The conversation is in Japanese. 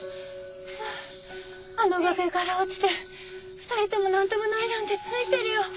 あの崖から落ちて２人とも何ともないなんてついてるよ。